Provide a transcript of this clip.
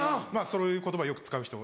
そういう言葉よく使う人。